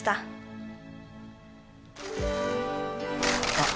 あっ。